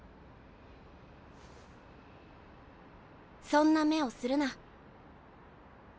そんな目をするな。